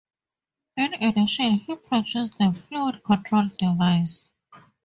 In addition he produced the Fluid Control Device.